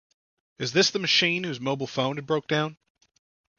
Is this the machine whose mobile phone had broke down?